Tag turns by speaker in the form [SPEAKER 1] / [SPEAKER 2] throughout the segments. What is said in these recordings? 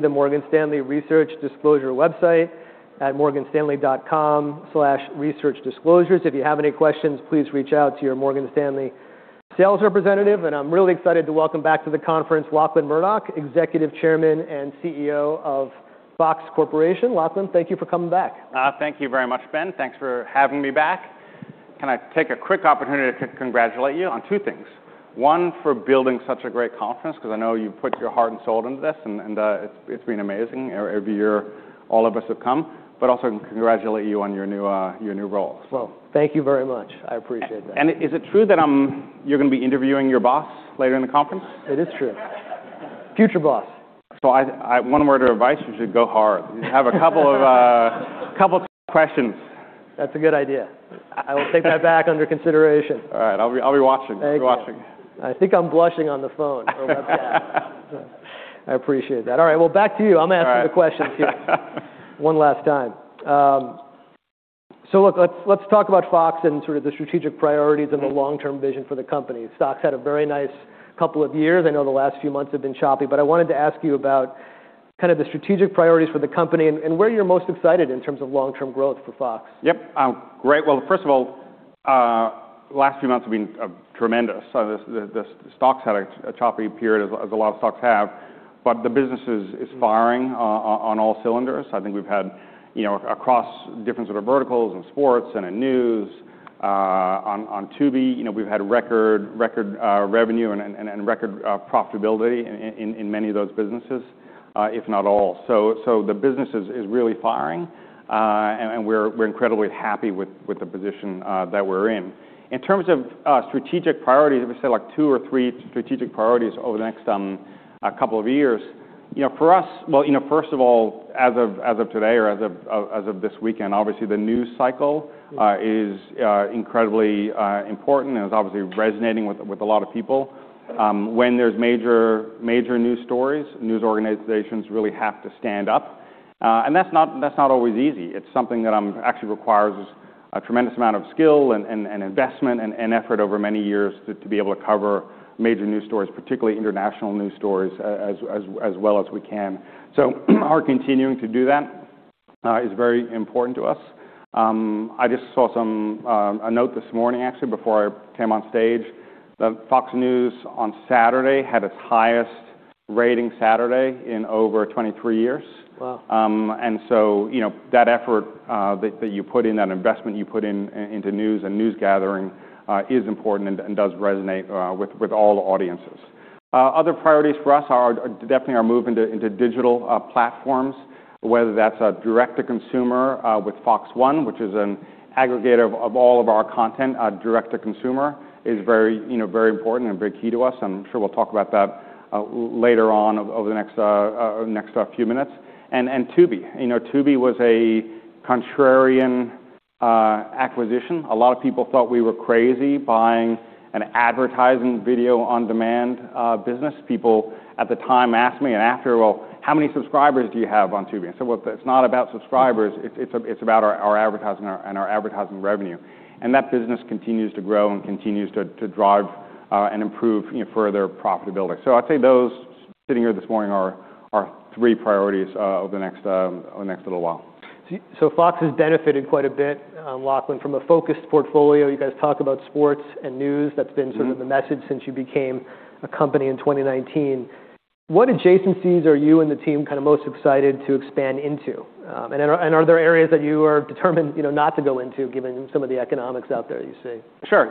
[SPEAKER 1] The Morgan Stanley Research Disclosure website at morganstanley.com/researchdisclosures. If you have any questions, please reach out to your Morgan Stanley sales representative. I'm really excited to welcome back to the conference Lachlan Murdoch, Executive Chairman and CEO of FOX Corporation. Lachlan, thank you for coming back.
[SPEAKER 2] Thank you very much, Ben. Thanks for having me back. Can I take a quick opportunity to congratulate you on two things? One, for building such a great conference because I know you put your heart and soul into this and it's been amazing every year all of us have come. Also congratulate you on your new role.
[SPEAKER 1] Well, thank you very much. I appreciate that.
[SPEAKER 2] Is it true that, you're gonna be interviewing your boss later in the conference?
[SPEAKER 1] It is true. Future boss.
[SPEAKER 2] One word of advice, you should go hard. You have a couple of tough questions.
[SPEAKER 1] That's a good idea. I will take that back under consideration.
[SPEAKER 2] All right. I'll be watching.
[SPEAKER 1] Thank you.
[SPEAKER 2] Be watching.
[SPEAKER 1] I think I'm blushing on the phone or webcam. I appreciate that. All right. Well, back to you.
[SPEAKER 2] All right.
[SPEAKER 1] I'm asking the questions here one last time. Look, let's talk about FOX and sort of the strategic priorities and the long-term vision for the company. Stock's had a very nice couple of years. I know the last few months have been choppy. I wanted to ask you about kind of the strategic priorities for the company and where you're most excited in terms of long-term growth for FOX.
[SPEAKER 2] Yep. Great. Well, first of all, last few months have been tremendous. The stock's had a choppy period as a lot of stocks have, but the business is firing on all cylinders. I think we've had, you know, across different sort of verticals in sports and in news, on Tubi, you know, we've had record revenue and record profitability in many of those businesses, if not all. The business is really firing, and we're incredibly happy with the position that we're in. In terms of strategic priorities, let me say like two or three strategic priorities over the next couple of years. You know, for us. Well, you know, first of all, as of today or as of this weekend, obviously the news cycle is incredibly important and it's obviously resonating with a lot of people. When there's major news stories, news organizations really have to stand up. That's not always easy. It's something that actually requires a tremendous amount of skill and investment and effort over many years to be able to cover major news stories, particularly international news stories as well as we can. Our continuing to do that is very important to us. I just saw some a note this morning actually before I came on stage. The FOX News on Saturday had its highest rating Saturday in over 23 years.
[SPEAKER 1] Wow.
[SPEAKER 2] You know, that effort, that you put in, that investment you put into news and news gathering, is important and does resonate with all audiences. Other priorities for us are definitely our move into digital platforms, whether that's direct-to-consumer with FOX One, which is an aggregator of all of our content. Direct-to-consumer is very, you know, very important and very key to us, and I'm sure we'll talk about that later on over the next few minutes, and Tubi. You know, Tubi was a contrarian acquisition. A lot of people thought we were crazy buying an advertising video on demand business. People at the time asked me and after, "Well, how many subscribers do you have on Tubi?" Look, it's not about subscribers. It's about our advertising and our advertising revenue. That business continues to grow and continues to drive and improve, you know, further profitability. I'd say those sitting here this morning are three priorities over the next little while.
[SPEAKER 1] FOX has benefited quite a bit, Lachlan, from a focused portfolio. You guys talk about sports and news.
[SPEAKER 2] Mm-hmm.
[SPEAKER 1] That's been sort of the message since you became a company in 2019. What adjacencies are you and the team kinda most excited to expand into? Are there areas that you are determined, you know, not to go into given some of the economics out there you see?
[SPEAKER 2] Sure.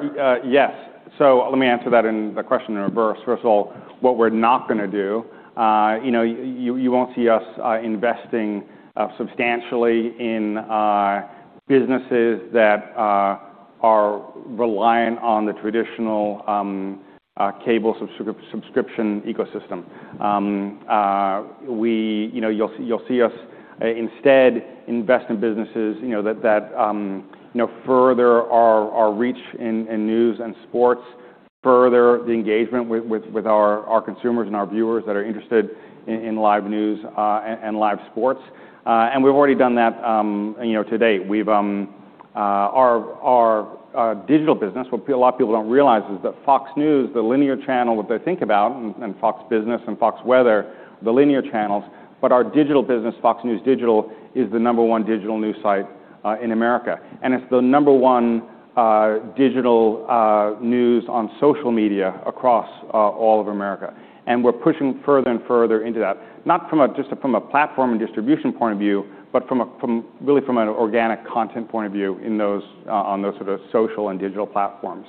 [SPEAKER 2] Yes. Let me answer that in the question in reverse. First of all, what we're not gonna do, you know, you won't see us investing substantially in businesses that are reliant on the traditional cable subscription ecosystem. You know, you'll see us instead invest in businesses, you know, that, you know, further our reach in news and sports, further the engagement with our consumers and our viewers that are interested in live news and live sports. We've already done that, you know, to date. We've... Our, our digital business, what a lot of people don't realize is that FOX News, the linear channel that they think about, and FOX Business and FOX Weather, the linear channels, but our digital business, FOX News Digital, is the number one digital news site in America. It's the number one digital news on social media across all of America. We're pushing further and further into that, not from a platform and distribution point of view, but from an organic content point of view in those on those sort of social and digital platforms.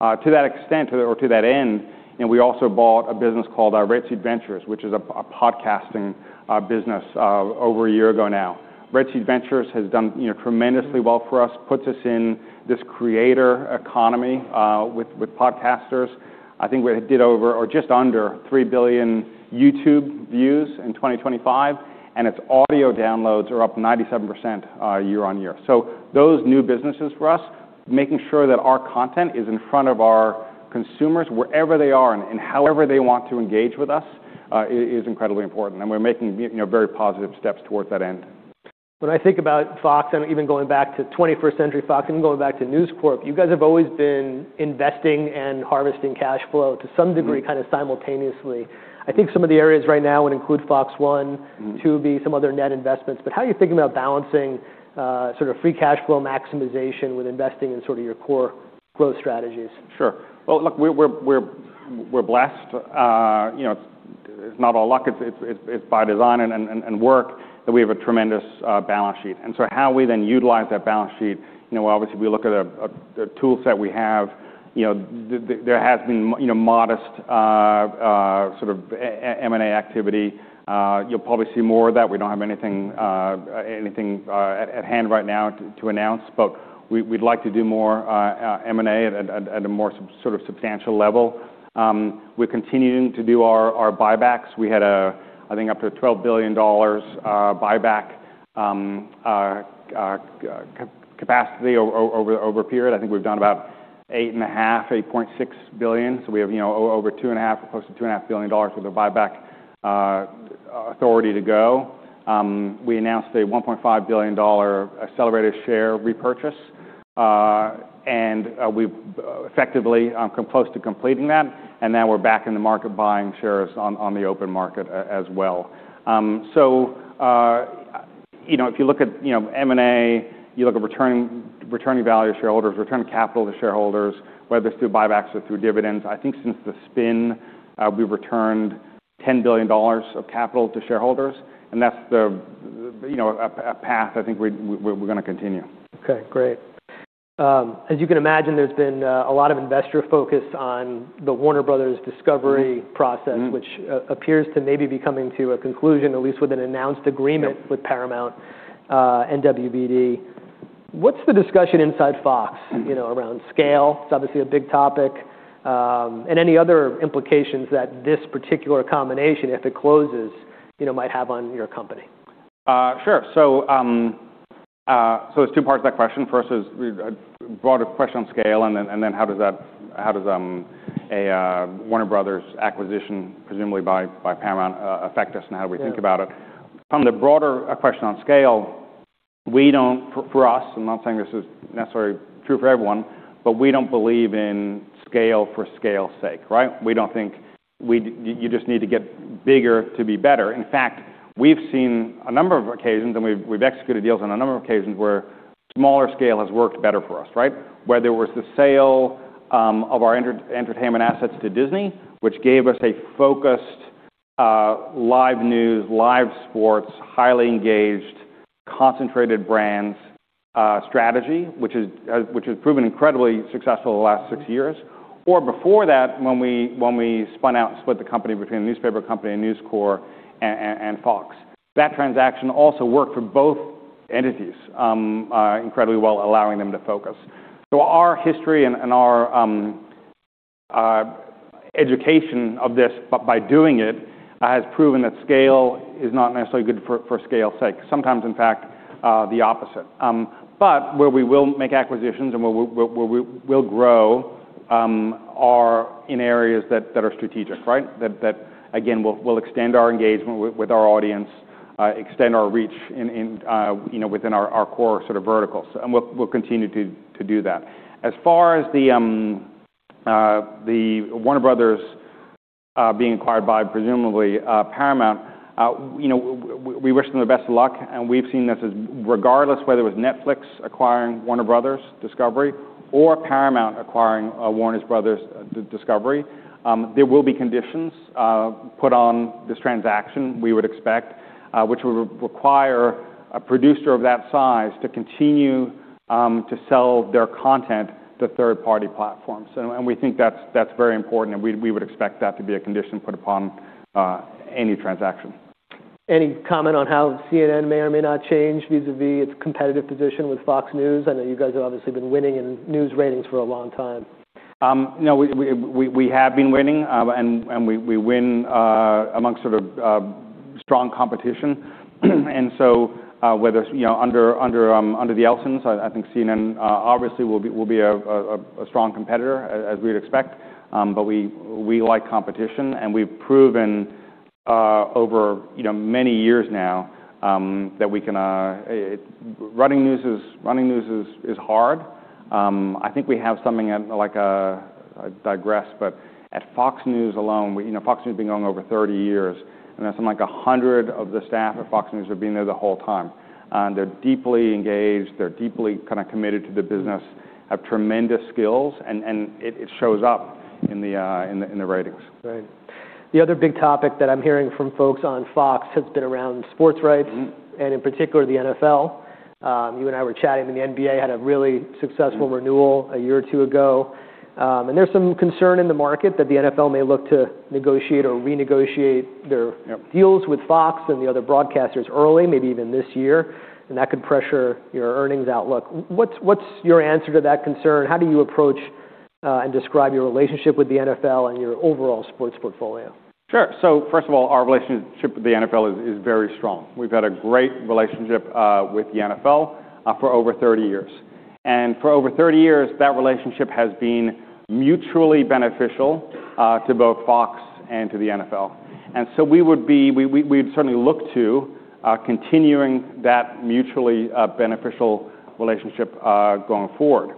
[SPEAKER 2] To that extent or to that end, we also bought a business called Red Seat Ventures, which is a podcasting business over a year ago now. Red Seat Ventures has done, you know, tremendously well for us, puts us in this creator economy, with podcasters. I think we did over or just under three billion YouTube views in 2025, and its audio downloads are up 97% year-on-year. Those new businesses for us, making sure that our content is in front of our consumers wherever they are and however they want to engage with us, is incredibly important, and we're making, you know, very positive steps towards that end.
[SPEAKER 1] When I think about FOX and even going back to 21st Century FOX and going back to News Corp, you guys have always been investing and harvesting cash flow to some degree kind of simultaneously. I think some of the areas right now would include FOX One-
[SPEAKER 2] Mm-hmm....
[SPEAKER 1] Tubi, some other net investments. How are you thinking about balancing sort of free cash flow maximization with investing in sort of your core growth strategies?
[SPEAKER 2] Sure. Well, look, we're blessed. You know, it's not all luck, it's by design and work that we have a tremendous balance sheet. How we then utilize that balance sheet, you know, obviously we look at a tool set we have. You know, there has been, you know, modest sort of M&A activity. You'll probably see more of that. We don't have anything at hand right now to announce. We'd like to do more M&A at a more sort of substantial level. We're continuing to do our buybacks. We had I think up to $12 billion buyback capacity over a period. I think we've done about $8.5, $8.6 billion. We have, you know, over $2.5, close to $2.5 billion worth of buyback authority to go. We announced a $1.5 billion accelerated share repurchase, and we've effectively close to completing that, and now we're back in the market buying shares on the open market as well. You know, if you look at, you know, M&A, you look at returning value to shareholders, returning capital to shareholders, whether it's through buybacks or through dividends, I think since the spin, we've returned $10 billion of capital to shareholders, and that's the, you know, a path I think we're gonna continue.
[SPEAKER 1] Okay, great. as you can imagine, there's been a lot of investor focus on the Warner Bros. Discovery-
[SPEAKER 2] Mm-hmm....
[SPEAKER 1] process, which appears to maybe be coming to a conclusion, at least with an announced agreement.
[SPEAKER 2] Yeah...
[SPEAKER 1] with Paramount, and WBD. What's the discussion inside FOX?
[SPEAKER 2] Mm-hmm.
[SPEAKER 1] You know, around scale? It's obviously a big topic. Any other implications that this particular combination, if it closes, you know, might have on your company?
[SPEAKER 2] Sure. So there's two parts to that question. First is a broader question on scale, and then how does a Warner Bros. acquisition, presumably by Paramount, affect us and how do we think about it?
[SPEAKER 1] Sure.
[SPEAKER 2] From the broader question on scale, we don't for us, I'm not saying this is necessarily true for everyone, but we don't believe in scale for scale's sake, right? We don't think you just need to get bigger to be better. In fact, we've seen a number of occasions, and we've executed deals on a number of occasions where smaller scale has worked better for us, right? Where there was the sale of our entertainment assets to Disney, which gave us a focused live news, live sports, highly engaged, concentrated brands strategy, which has proven incredibly successful the last six years. Before that, when we spun out and split the company between the newspaper company and News Corp and FOX. That transaction also worked for both entities incredibly well, allowing them to focus. Our history and our education of this by doing it has proven that scale is not necessarily good for scale's sake. Sometimes, in fact, the opposite. Where we will make acquisitions and where we will grow are in areas that are strategic, right? That again, will extend our engagement with our audience, extend our reach in, you know, within our core sort of verticals. We'll continue to do that. As far as the Warner Bros., being acquired by presumably, Paramount, you know, we wish them the best of luck, and we've seen this as regardless whether it was Netflix acquiring Warner Bros. Discovery, or Paramount acquiring, Warner Bros. Discovery, there will be conditions, put on this transaction, we would expect, which would require a producer of that size to continue, to sell their content to third-party platforms. We think that's very important, and we would expect that to be a condition put upon, any transaction.
[SPEAKER 1] Any comment on how CNN may or may not change vis-à-vis its competitive position with FOX News? I know you guys have obviously been winning in news ratings for a long time.
[SPEAKER 2] You know, we have been winning, and we win amongst sort of strong competition. Whether it's, you know, under the Ellisons, I think CNN obviously will be a strong competitor as we'd expect. But we like competition and we've proven over, you know, many years now, that we can. Running news is hard. I think we have something like, I digress, but at FOX News alone, you know, FOX News has been going over 30 years, and there's something like 100 of the staff at FOX News have been there the whole time. They're deeply engaged, they're deeply kinda committed to the business, have tremendous skills, and it shows up in the ratings.
[SPEAKER 1] Right. The other big topic that I'm hearing from folks on FOX has been around sports rights-
[SPEAKER 2] Mm-hmm....
[SPEAKER 1] and in particular, the NFL. You and I were chatting, and the NBA had a really successful renewal a year or two ago. There's some concern in the market that the NFL may look to negotiate or renegotiate their-
[SPEAKER 2] Yeah....
[SPEAKER 1] deals with FOX and the other broadcasters early, maybe even this year, and that could pressure your earnings outlook. What's your answer to that concern? How do you approach and describe your relationship with the NFL and your overall sports portfolio?
[SPEAKER 2] Sure. First of all, our relationship with the NFL is very strong. We've had a great relationship with the NFL for over 30 years. For over 30 years, that relationship has been mutually beneficial to both FOX and to the NFL. We'd certainly look to continuing that mutually beneficial relationship going forward.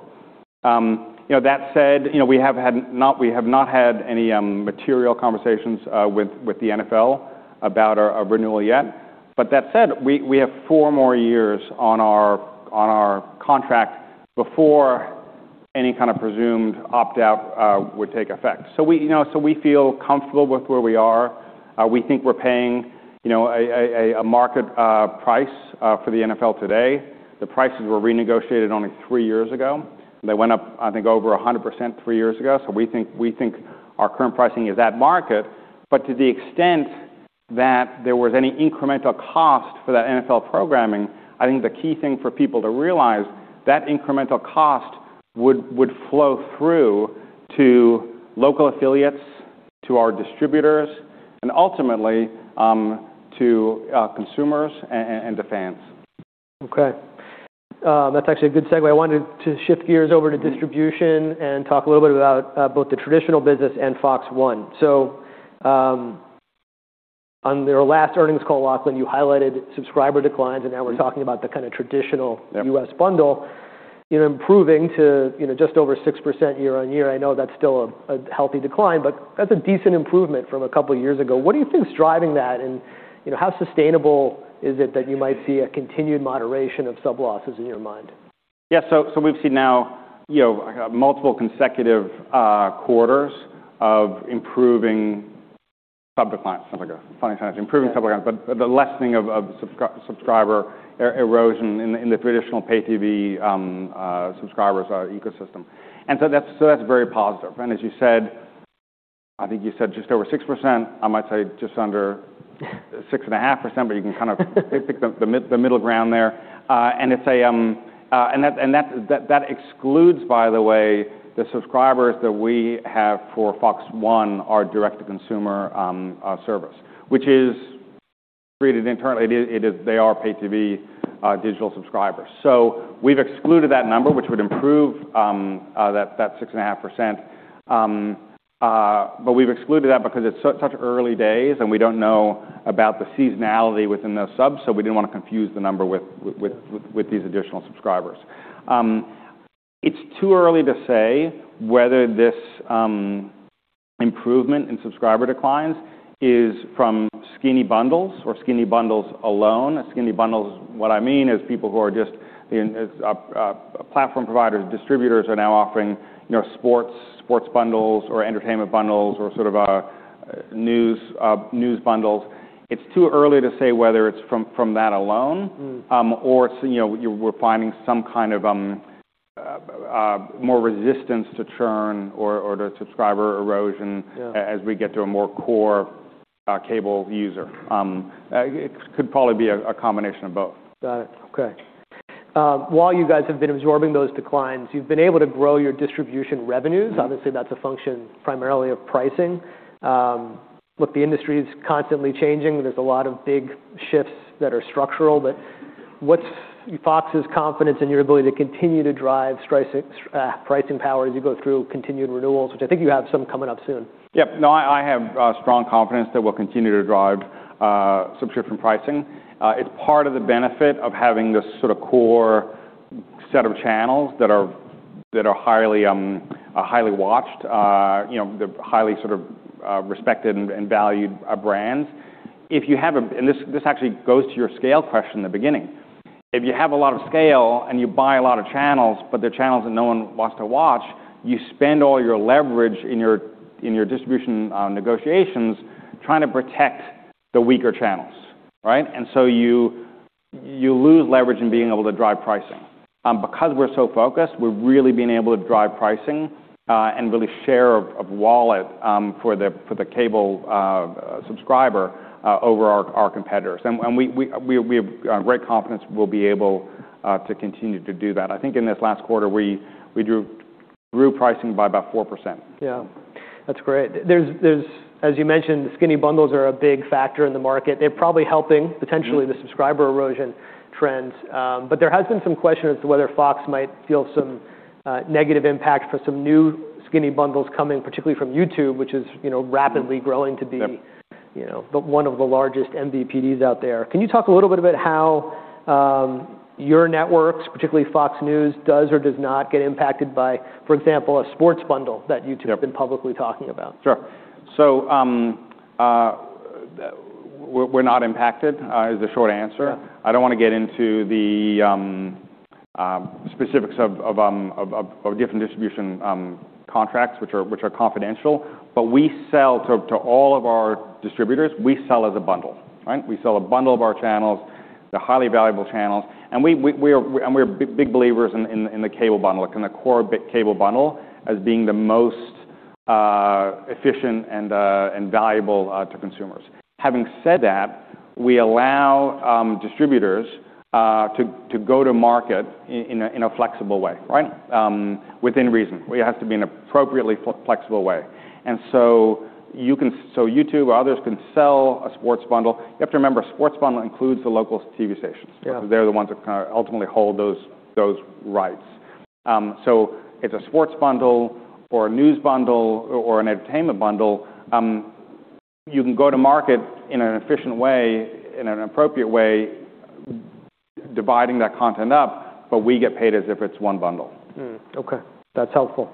[SPEAKER 2] You know, that said, you know, we have not had any material conversations with the NFL about a renewal yet. That said, we have four more years on our contract before any kind of presumed opt-out would take effect. We, you know, so we feel comfortable with where we are. We think we're paying, you know, a market price for the NFL today. The prices were renegotiated only three years ago. They went up, I think, over 100% three years ago. We think our current pricing is at market. To the extent that there was any incremental cost for that NFL programming, I think the key thing for people to realize, that incremental cost would flow through to local affiliates, to our distributors, and ultimately, to consumers and the fans.
[SPEAKER 1] Okay. That's actually a good segue. I wanted to shift gears over to distribution and talk a little bit about both the traditional business and FOX One. On your last earnings call, Lachlan, you highlighted subscriber declines, and now we're talking about the kinda traditional-.
[SPEAKER 2] Yep....
[SPEAKER 1] U.S. bundle, you know, improving to, you know, just over 6% year-over-year. I know that's still a healthy decline, but that's a decent improvement from a couple years ago. What do you think is driving that? You know, how sustainable is it that you might see a continued moderation of sub losses in your mind?
[SPEAKER 2] Yeah. We've seen now, you know, multiple consecutive, quarters of improving sub declines. Sounds like a funny term.
[SPEAKER 1] Yeah.
[SPEAKER 2] Improving sub declines. The lessening of subscriber erosion in the traditional pay TV subscribers ecosystem. That's very positive. As you said... I think you said just over 6%. I might say just under 6.5%, but you can pick the middle ground there. That excludes, by the way, the subscribers that we have for FOX One, our direct-to-consumer service, which is treated internally. They are pay TV digital subscribers. We've excluded that number, which would improve that 6.5%. We've excluded that because it's such early days, and we don't know about the seasonality within those subs, so we didn't wanna confuse the number with these additional subscribers. It's too early to say whether this improvement in subscriber declines is from skinny bundles or skinny bundles alone. A skinny bundle is. What I mean is people who are just in, is platform providers. Distributors are now offering, you know, sports bundles or entertainment bundles or sort of news bundles. It's too early to say whether it's from that alone.
[SPEAKER 1] Mm....
[SPEAKER 2] or it's, you know, we're finding some kind of, more resistance to churn or to subscriber erosion-
[SPEAKER 1] Yeah....
[SPEAKER 2] as we get to a more core cable user. It could probably be a combination of both.
[SPEAKER 1] Got it. Okay. While you guys have been absorbing those declines, you've been able to grow your distribution revenues.
[SPEAKER 2] Mm-hmm.
[SPEAKER 1] Obviously, that's a function primarily of pricing. Look, the industry is constantly changing. There's a lot of big shifts that are structural. What's FOX's confidence in your ability to continue to drive pricing power as you go through continued renewals, which I think you have some coming up soon?
[SPEAKER 2] Yep. No, I have strong confidence that we'll continue to drive subscription pricing. It's part of the benefit of having this sorta core set of channels that are highly watched, you know, they're highly sort of respected and valued brands. This actually goes to your scale question in the beginning. If you have a lot of scale and you buy a lot of channels, but they're channels that no one wants to watch, you spend all your leverage in your distribution negotiations trying to protect the weaker channels, right? You lose leverage in being able to drive pricing. Because we're so focused, we're really being able to drive pricing and really share of wallet for the cable subscriber over our competitors. We have great confidence we'll be able to continue to do that. I think in this last quarter, we drew pricing by about 4%.
[SPEAKER 1] Yeah. That's great. There's... As you mentioned, the skinny bundles are a big factor in the market. They're probably helping-
[SPEAKER 2] Mm-hmm.
[SPEAKER 1] ...potentially the subscriber erosion trends. There has been some question as to whether FOX might feel some negative impact for some new skinny bundles coming, particularly from YouTube, which is, you know, rapidly growing.
[SPEAKER 2] Yep....
[SPEAKER 1] you know, one of the largest MVPDs out there. Can you talk a little bit about how your networks, particularly FOX News, does or does not get impacted by, for example, a sports bundle that YouTube-
[SPEAKER 2] Yep....
[SPEAKER 1] have been publicly talking about?
[SPEAKER 2] Sure. We're not impacted, is the short answer.
[SPEAKER 1] Yeah.
[SPEAKER 2] I don't wanna get into the specifics of different distribution contracts, which are confidential. We sell to all of our distributors, we sell as a bundle, right? We sell a bundle of our channels, the highly valuable channels. We're big believers in the cable bundle, like in the core cable bundle, as being the most efficient and valuable to consumers. Having said that, we allow distributors to go to market in a flexible way, right? Within reason. We have to be an appropriately flexible way. YouTube or others can sell a sports bundle. You have to remember, a sports bundle includes the local TV stations.
[SPEAKER 1] Yeah.
[SPEAKER 2] They're the ones that kinda ultimately hold those rights. So if a sports bundle or a news bundle or an entertainment bundle, you can go to market in an efficient way, in an appropriate way, dividing that content up, but we get paid as if it's one bundle.
[SPEAKER 1] Okay. That's helpful.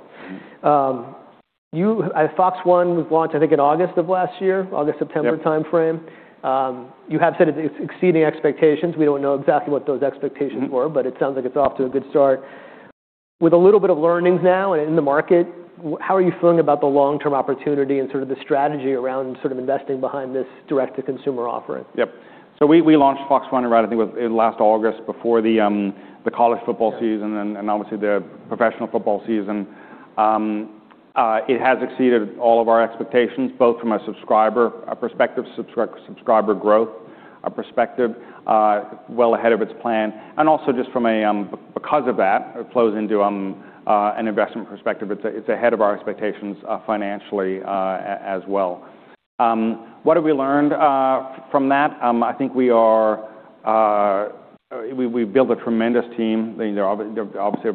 [SPEAKER 2] Mm-hmm.
[SPEAKER 1] FOX One was launched, I think, in August of last year. August, September-
[SPEAKER 2] Yep....
[SPEAKER 1] timeframe. You have said it's exceeding expectations. We don't know exactly what those expectations were.
[SPEAKER 2] Mm-hmm.
[SPEAKER 1] It sounds like it's off to a good start. With a little bit of learnings now in the market, how are you feeling about the long-term opportunity and sort of the strategy around sort of investing behind this direct-to-consumer offering?
[SPEAKER 2] Yep. We launched FOX One right, I think it was in last August before the college football season-
[SPEAKER 1] Yeah.
[SPEAKER 2] Then obviously the professional football season. It has exceeded all of our expectations, both from a subscriber, a prospective subscriber growth, a prospective, well ahead of its plan and also just from a, because of that, it flows into, an investment perspective. It's ahead of our expectations, financially, as well. What have we learned, from that? I think we are... We've built a tremendous team. They're obviously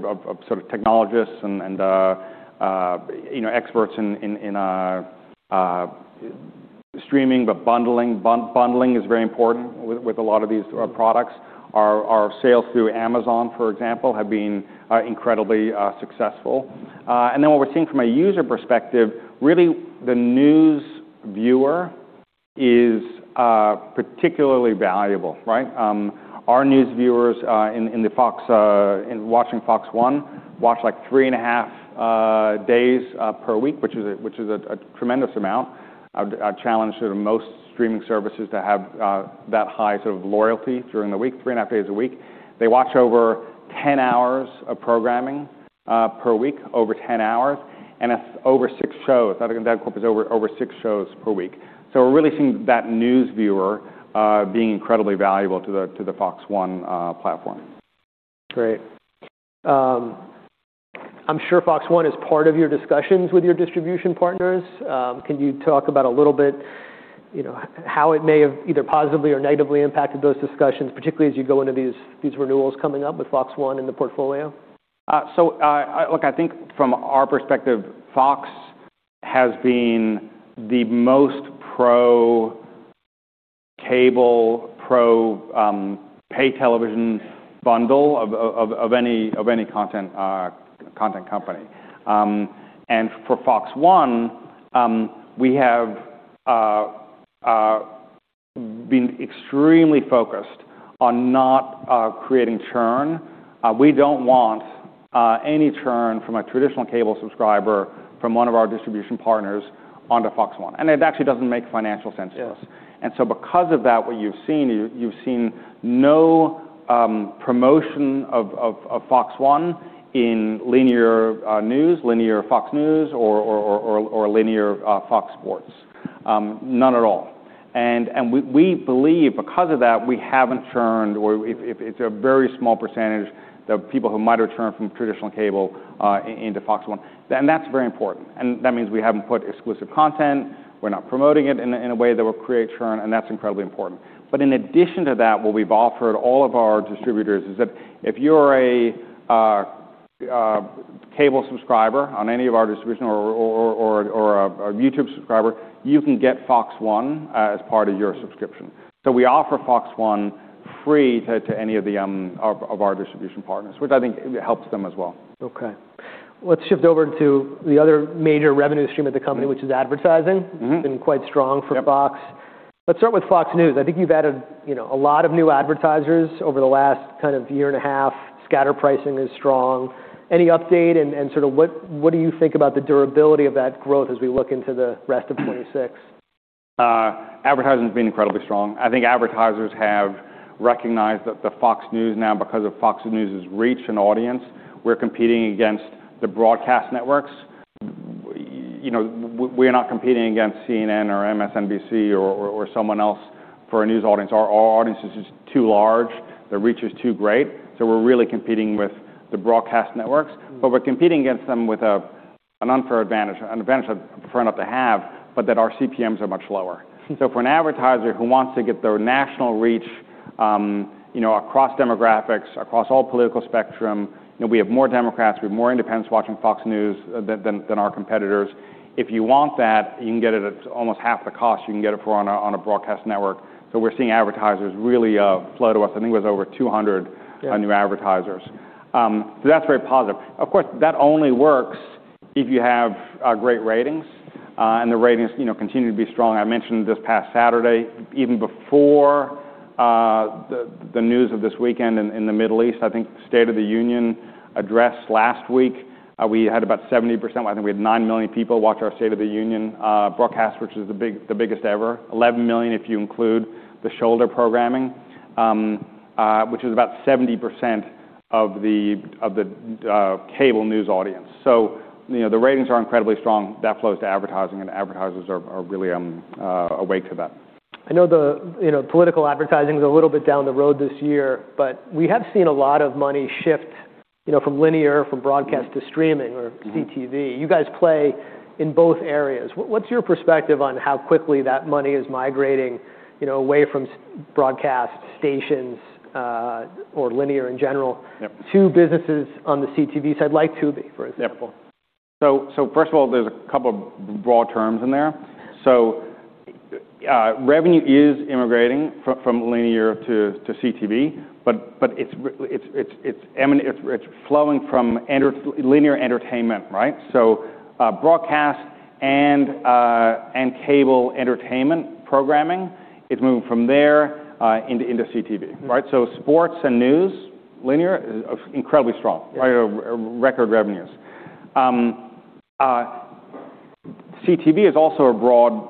[SPEAKER 2] of sort of technologists and, you know, experts in streaming, but bundling. Bundling is very important with a lot of these, products. Our, our sales through Amazon, for example, have been, incredibly, successful. What we're seeing from a user perspective, really the news viewer is, particularly valuable, right? Our news viewers in watching FOX One watch three and a half days per week, which is a tremendous amount. I challenge most streaming services to have that high loyalty during the week, three and a half days a week. They watch over 10 hours of programming per week, over 10 hours, and that's over six shows. I think that equals over six shows per week. We're really seeing that news viewer being incredibly valuable to the FOX One platform.
[SPEAKER 1] Great. I'm sure FOX One is part of your discussions with your distribution partners. Can you talk about a little bit, you know, how it may have either positively or negatively impacted those discussions, particularly as you go into these renewals coming up with FOX One in the portfolio?
[SPEAKER 2] Look, I think from our perspective, FOX has been the most pro-cable, pro, pay television bundle of any content company. For FOX One, we have been extremely focused on not creating churn. We don't want any churn from a traditional cable subscriber from one of our distribution partners onto FOX One, and it actually doesn't make financial sense to us.
[SPEAKER 1] Yeah.
[SPEAKER 2] Because of that, what you've seen, you've seen no promotion of FOX One in linear news, linear FOX News, or linear FOX Sports. None at all. We believe because of that, we haven't churned or if it's a very small percentage of people who might have churned from traditional cable into FOX One, then that's very important. That means we haven't put exclusive content, we're not promoting it in a way that will create churn, and that's incredibly important. In addition to that, what we've offered all of our distributors is that if you're a cable subscriber on any of our distribution or a YouTube subscriber, you can get FOX One as part of your subscription. We offer FOX One free to any of our distribution partners, which I think helps them as well.
[SPEAKER 1] Okay. Let's shift over to the other major revenue stream of the company-
[SPEAKER 2] Mm-hmm....
[SPEAKER 1] which is advertising.
[SPEAKER 2] Mm-hmm.
[SPEAKER 1] It's been quite strong for FOX.
[SPEAKER 2] Yep.
[SPEAKER 1] Let's start with FOX News. I think you've added, you know, a lot of new advertisers over the last kind of year and a half. Scatter pricing is strong. Any update and sort of what do you think about the durability of that growth as we look into the rest of 2026?
[SPEAKER 2] Advertising's been incredibly strong. I think advertisers have recognized that the FOX News now, because of FOX News' reach and audience, we're competing against the broadcast networks. You know, we're not competing against CNN or MSNBC or someone else for a news audience. Our audience is just too large. The reach is too great. We're really competing with the broadcast networks, but we're competing against them with an unfair advantage, an advantage I'd prefer not to have, but that our CPMs are much lower. For an advertiser who wants to get their national reach, you know, across demographics, across all political spectrum, you know, we have more Democrats, we have more independents watching FOX News than our competitors. If you want that, you can get it at almost half the cost you can get it for on a broadcast network. We're seeing advertisers really flow to us. I think it was over 200-
[SPEAKER 1] Yeah....
[SPEAKER 2] new advertisers. That's very positive. Of course, that only works if you have great ratings, and the ratings, you know, continue to be strong. I mentioned this past Saturday, even before the news of this weekend in the Middle East, I think State of the Union address last week, we had about 70%. I think we had nine million people watch our State of the Union broadcast, which is the biggest ever. 11 million if you include the shoulder programming, which is about 70% of the cable news audience. You know, the ratings are incredibly strong. That flows to advertising, and advertisers are really awake to that.
[SPEAKER 1] I know the, you know, political advertising's a little bit down the road this year, but we have seen a lot of money shift, you know, from linear, from broadcast to streaming or CTV.
[SPEAKER 2] Mm-hmm.
[SPEAKER 1] You guys play in both areas. What's your perspective on how quickly that money is migrating, you know, away from broadcast stations, or linear in general-
[SPEAKER 2] Yep....
[SPEAKER 1] to businesses on the CTV side, like Tubi, for example?
[SPEAKER 2] First of all, there's a couple of broad terms in there. Revenue is immigrating from linear to CTV, but it's flowing from linear entertainment, right? Broadcast and cable entertainment programming is moving from there into CTV, right?
[SPEAKER 1] Mm-hmm.
[SPEAKER 2] Sports and news, linear is incredibly strong.
[SPEAKER 1] Yeah.
[SPEAKER 2] Right? Record revenues. CTV is also a broad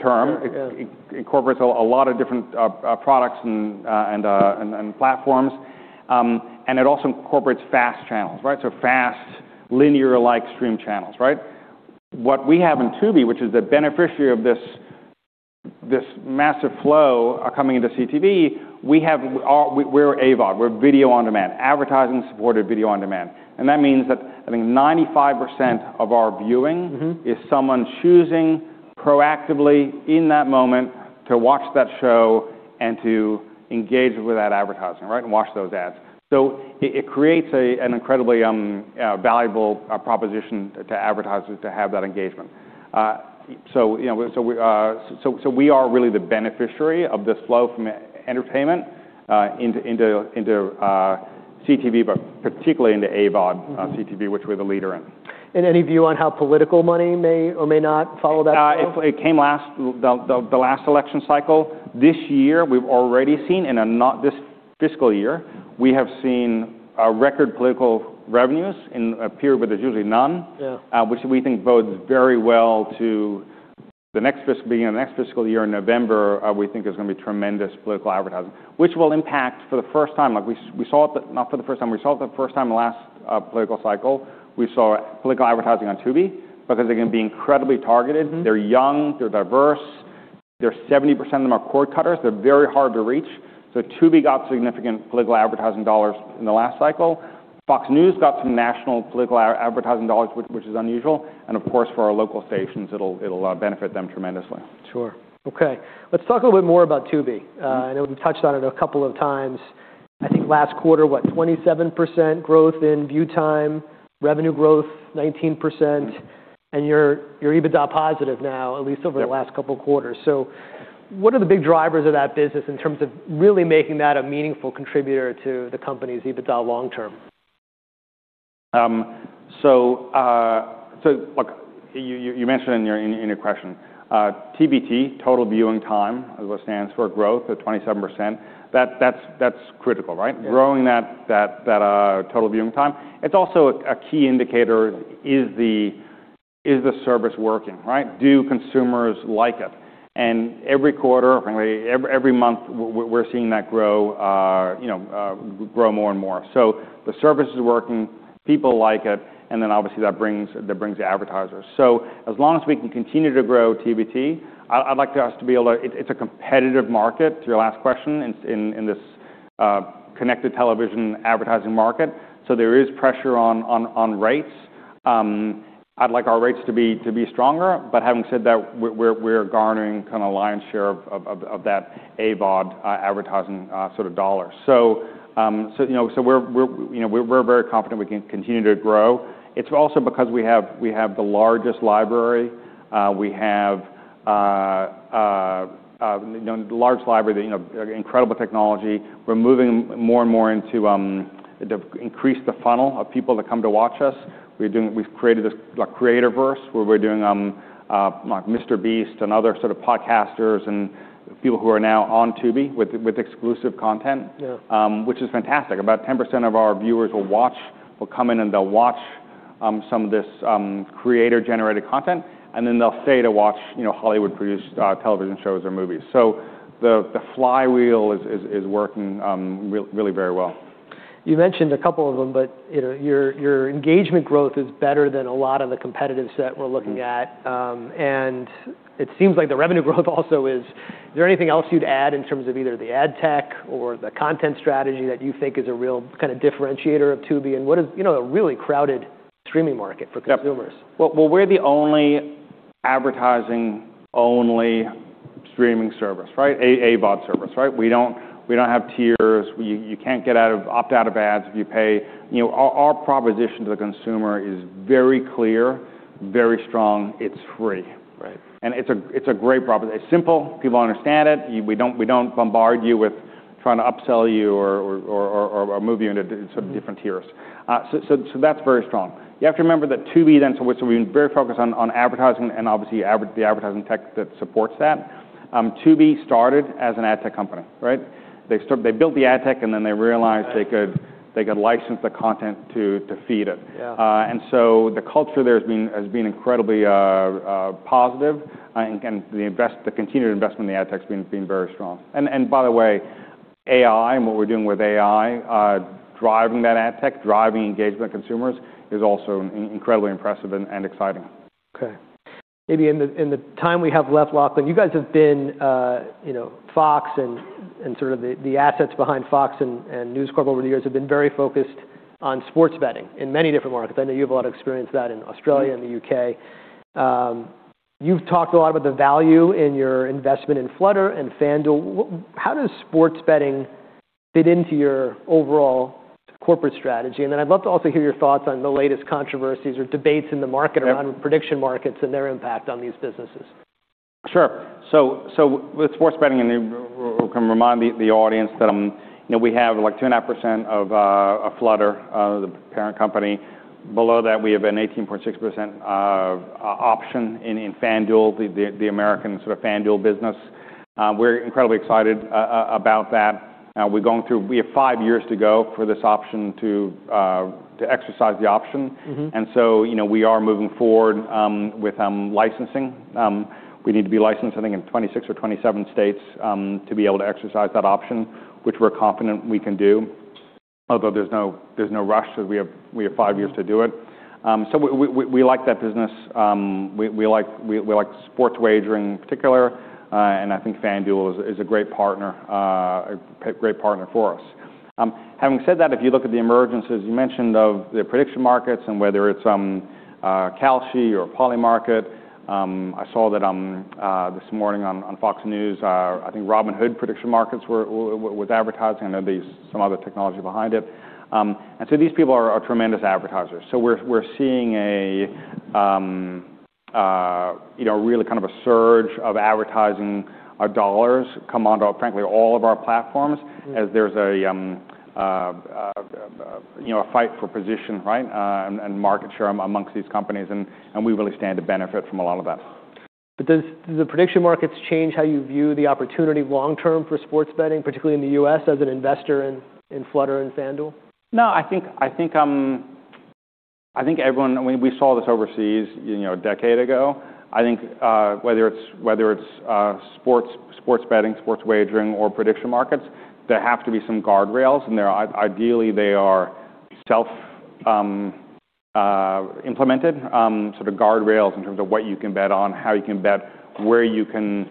[SPEAKER 2] term.
[SPEAKER 1] Yeah.
[SPEAKER 2] It incorporates a lot of different products and platforms. It also incorporates FAST channels, right? FAST linear-like stream channels, right? What we have in Tubi, which is the beneficiary of this massive flow coming into CTV, we're AVOD. We're video-on-demand, advertising-supported video-on-demand. That means that I think 95% of our viewing-
[SPEAKER 1] Mm-hmm....
[SPEAKER 2] is someone choosing proactively in that moment to watch that show and to engage with that advertising, right? Watch those ads. It creates an incredibly valuable proposition to advertisers to have that engagement. You know, we are really the beneficiary of this flow from e-entertainment into CTV, but particularly into AVOD, CTV-
[SPEAKER 1] Mm-hmm....
[SPEAKER 2] which we're the leader in.
[SPEAKER 1] Any view on how political money may or may not follow that flow?
[SPEAKER 2] The last election cycle. This fiscal year, we have seen record political revenues in a period where there's usually none.
[SPEAKER 1] Yeah.
[SPEAKER 2] Which we think bodes very well to the next you know, the next fiscal year in November, we think there's gonna be tremendous political advertising, which will impact for the first time. Like we saw it, not for the first time, we saw it the first time last political cycle. We saw political advertising on Tubi because they can be incredibly targeted.
[SPEAKER 1] Mm-hmm.
[SPEAKER 2] They're young, they're diverse, they're 70% of them are cord-cutters. They're very hard to reach. Tubi got significant political advertising dollars in the last cycle. FOX News got some national political advertising dollars, which is unusual, and of course, for our local stations, it'll benefit them tremendously.
[SPEAKER 1] Sure. Okay, let's talk a little bit more about Tubi.
[SPEAKER 2] Mm-hmm.
[SPEAKER 1] I know we touched on it a couple of times. I think last quarter, what, 27% growth in view time, revenue growth 19%.
[SPEAKER 2] Mm-hmm.
[SPEAKER 1] You're EBITDA positive now, at least over-
[SPEAKER 2] Yeah....
[SPEAKER 1] the last couple quarters. What are the big drivers of that business in terms of really making that a meaningful contributor to the company's EBITDA long term?
[SPEAKER 2] Look, you mentioned in your question, TVT, total viewing time is what stands for growth at 27%. That's critical, right?
[SPEAKER 1] Yeah.
[SPEAKER 2] Growing that total viewing time. It's also a key indicator is the service working, right? Do consumers like it? Every quarter, frankly, every month we're seeing that grow, you know, grow more and more. The service is working, people like it, and then obviously that brings advertisers. As long as we can continue to grow TVT, I'd like us to be able to. It's a competitive market, to your last question, in this connected television advertising market, so there is pressure on rates. I'd like our rates to be stronger, but having said that, we're garnering kinda lion's share of that AVOD advertising sort of dollar. You know, so we're, you know, we're very confident we can continue to grow. It's also because we have the largest library. We have, you know, large library, you know, incredible technology. We're moving more and more into to increase the funnel of people that come to watch us. We've created this, like, creator-verse where we're doing like MrBeast and other sort of podcasters and people who are now on Tubi with exclusive content-
[SPEAKER 1] Yeah.
[SPEAKER 2] which is fantastic. About 10% of our viewers will come in and they'll watch some of this creator-generated content, and then they'll stay to watch, you know, Hollywood-produced television shows or movies. The flywheel is working really very well.
[SPEAKER 1] You mentioned a couple of them, you know, your engagement growth is better than a lot of the competitors that we're looking at.
[SPEAKER 2] Mm-hmm.
[SPEAKER 1] It seems like the revenue growth also is. Is there anything else you'd add in terms of either the ad tech or the content strategy that you think is a real kinda differentiator of Tubi? What is, you know, a really crowded streaming market for consumers?
[SPEAKER 2] Yep. Well, we're the only advertising-only streaming service, right? AVOD service, right? We don't have tiers. You can't get out of, opt out of ads if you pay. You know, our proposition to the consumer is very clear, very strong. It's free.
[SPEAKER 1] Right.
[SPEAKER 2] It's a great proposition. It's simple. People understand it. We don't bombard you with trying to upsell you or move you into sort of different tiers.
[SPEAKER 1] Mm-hmm.
[SPEAKER 2] That's very strong. You have to remember that Tubi then, so we're very focused on advertising and obviously the advertising tech that supports that. Tubi started as an ad tech company, right? They built the ad tech and then they realized-
[SPEAKER 1] Right....
[SPEAKER 2] they could license the content to feed it.
[SPEAKER 1] Yeah.
[SPEAKER 2] The culture there has been incredibly positive, and the continued investment in the ad tech's been very strong. By the way, AI and what we're doing with AI, driving that ad tech, driving engagement with consumers is also incredibly impressive and exciting.
[SPEAKER 1] Okay. Maybe in the time we have left, Lachlan, you guys have been, you know, FOX and the assets behind FOX and News Corp over the years have been very focused on sports betting in many different markets. I know you have a lot of experience with that in Australia and the U.K.. You've talked a lot about the value in your investment in Flutter and FanDuel. How does sports betting fit into your overall corporate strategy. I'd love to also hear your thoughts on the latest controversies or debates in the market-
[SPEAKER 2] Yeah....
[SPEAKER 1] around prediction markets and their impact on these businesses.
[SPEAKER 2] Sure. With sports betting, and we're gonna remind the audience that, you know, we have, like, 2.5% of Flutter, the parent company. Below that, we have an 18.6% option in FanDuel, the American sort of FanDuel business. We're incredibly excited about that. We have five years to go for this option to exercise the option.
[SPEAKER 1] Mm-hmm.
[SPEAKER 2] You know, we are moving forward with licensing. We need to be licensed I think in 26 or 27 states to be able to exercise that option, which we're confident we can do. Although there's no rush 'cause we have five years to do it. We like that business. We like sports wagering in particular, and I think FanDuel is a great partner, a great partner for us. Having said that, if you look at the emergences, you mentioned of the prediction markets and whether it's Kalshi or Polymarket. I saw that this morning on FOX News, I think Robinhood prediction markets was advertising and there was some other technology behind it. These people are tremendous advertisers. We're seeing a, you know, really kind of a surge of advertising dollars come onto frankly all of our platforms-
[SPEAKER 1] Mm-hmm....
[SPEAKER 2] as there's a, you know, a fight for position, right? Market share amongst these companies, and we really stand to benefit from a lot of that.
[SPEAKER 1] Do the prediction markets change how you view the opportunity long term for sports betting, particularly in the U.S. as an investor in Flutter and FanDuel?
[SPEAKER 2] No, I think everyone... We saw this overseas, you know, a decade ago. I think, whether it's, sports betting, sports wagering or prediction markets, there have to be some guardrails and they're ideally they are self implemented. Sort of guardrails in terms of what you can bet on, how you can bet, where you can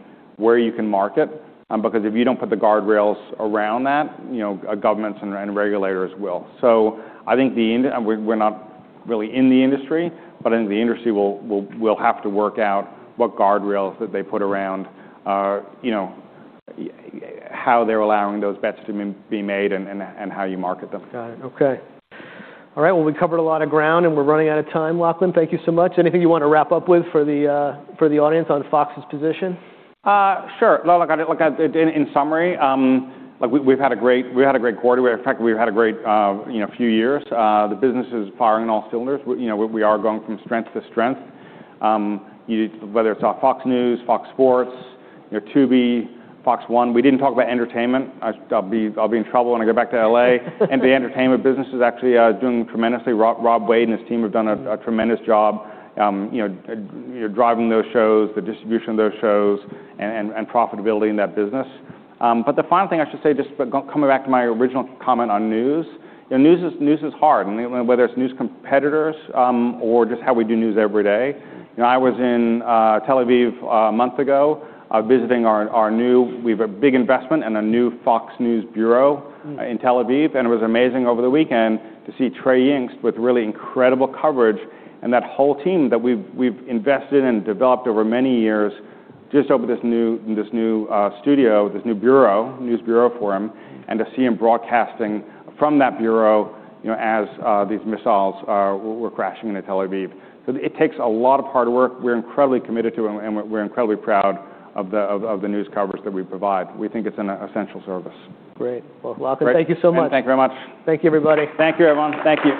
[SPEAKER 2] market. Because if you don't put the guardrails around that, you know, governments and regulators will. I think We're not really in the industry, but I think the industry will have to work out what guardrails that they put around, you know, how they're allowing those bets to be made and how you market them.
[SPEAKER 1] Got it. Okay. All right. We covered a lot of ground and we're running out of time, Lachlan. Thank you so much. Anything you want to wrap up with for the audience on FOX's position?
[SPEAKER 2] Sure. No, look, I, look, in summary, like, we've had a great quarter. In fact, we've had a great, you know, few years. The business is firing on all cylinders. We, you know, we are going from strength to strength. You, whether it's FOX News, FOX Sports, you know, Tubi, FOX One. We didn't talk about entertainment. I'll be in trouble when I go back to L.A. The entertainment business is actually doing tremendously. Rob Wade and his team have done a tremendous job, you know, driving those shows, the distribution of those shows and profitability in that business. The final thing I should say, just coming back to my original comment on news, you know, news is hard. whether it's news competitors, or just how we do news every day. You know, I was in Tel Aviv a month ago, visiting We have a big investment and a new FOX News bureau-
[SPEAKER 1] Mm....
[SPEAKER 2] in Tel Aviv. It was amazing over the weekend to see Trey Yingst with really incredible coverage and that whole team that we've invested and developed over many years, just opened this new studio, this new bureau, news bureau for him, and to see him broadcasting from that bureau, you know, as these missiles were crashing into Tel Aviv. It takes a lot of hard work. We're incredibly committed to him. We're incredibly proud of the news coverage that we provide. We think it's an essential service.
[SPEAKER 1] Great. Well, Lachlan, thank you so much.
[SPEAKER 2] Thank you very much.
[SPEAKER 1] Thank you, everybody.
[SPEAKER 2] Thank you, everyone. Thank you.